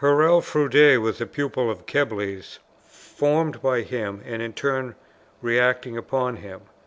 Hurrell Froude was a pupil of Keble's, formed by him, and in turn reacting upon him.